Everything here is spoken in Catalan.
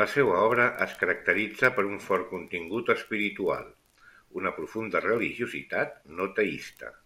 La seua obra es caracteritza per un fort contingut espiritual, una profunda religiositat no teista.